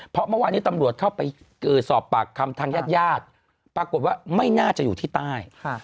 เพราะเมื่อวานี้ตำรวจเข้าไปสอบปากคำทางญาติญาติปรากฏว่าไม่น่าจะอยู่ที่ใต้